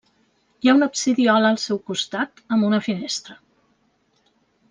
Hi ha una absidiola al seu costat amb una finestra.